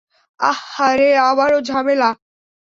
আহহারে, আবারও ঝামেলা!